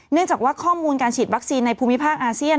เนื่องจากว่าข้อมูลการฉีดวัคซีนในภูมิภาคอาเซียน